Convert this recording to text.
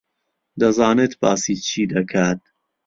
دەزانێت باسی چی دەکات.